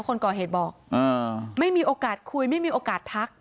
คนก่อเหตุบอกไม่มีโอกาสคุยไม่มีโอกาสทัก